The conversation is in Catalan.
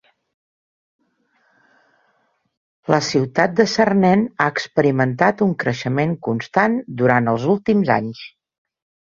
La ciutat de Sarnen ha experimentat un creixement constant durant els últims anys.